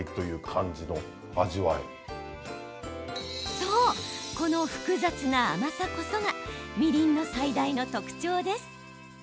そう、この複雑な甘さこそがみりんの最大の特徴です。